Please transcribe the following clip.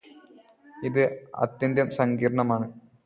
ഇത് അത്യന്തം സങ്കീര്ണ്ണമാണ്